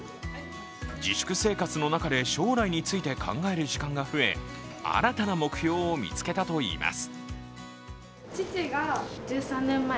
自粛生活の中で将来について考える時間が増え、新たな目標を見つけたといいます。